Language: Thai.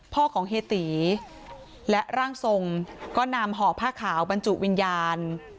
พ่อของเฮียตีและร่างทรงก็นำห่อผ้าขาวบรรจุวิญญาณ